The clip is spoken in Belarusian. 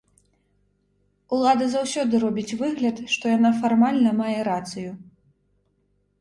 Улада заўсёды робіць выгляд, што яна фармальна мае рацыю.